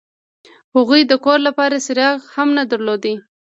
هغوی د کور لپاره څراغ هم نه درلود